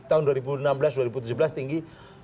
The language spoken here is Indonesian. tahun dua ribu enam belas dua ribu tujuh belas tinggi